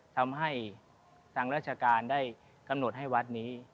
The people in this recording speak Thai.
ทำให้ทางราชการได้กำหนดให้วัดนี้